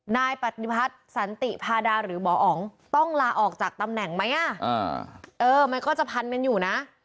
นายปฏิพัฏธรรษนและสันติพาหญิงต้องลาออกจากตำแหน่งไหมเออมันก็จะพันแหลมอยู่